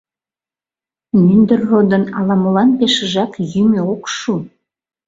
Мӱндыр родын ала-молан пешыжак йӱмӧ ок шу.